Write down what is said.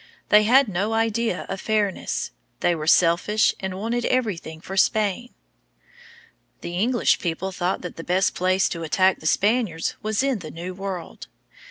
They had no idea of fairness. They were selfish and wanted everything for Spain. The English people thought that the best place to attack the Spaniards was in the New World.